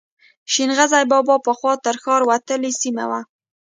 شین غزي بابا پخوا تر ښار وتلې سیمه وه.